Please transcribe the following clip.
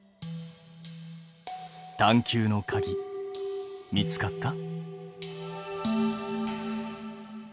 探究のかぎ見つかった？